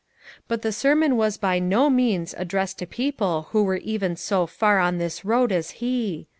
But the sermon was by no means addressed to people who were even so far on this road as he.